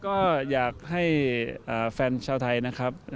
ก็อยากให้แฟนชาวไทยนะครับ